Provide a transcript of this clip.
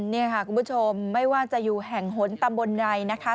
นี่ค่ะคุณผู้ชมไม่ว่าจะอยู่แห่งหนตำบลใดนะคะ